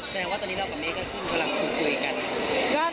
แสดงว่าตอนนี้เรากับเมฆก็คือกำลังพูดคุยกัน